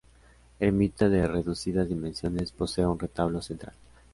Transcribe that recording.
Ermita de reducidas dimensiones, posee un retablo central.